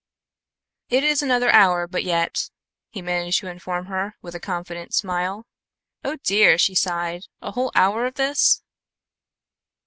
"It another hour is but yet," he managed to inform her, with a confident smile. "Oh, dear," she sighed, "a whole hour of this!"